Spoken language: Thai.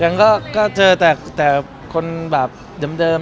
ยังก็เจอแต่คนแบบเดิม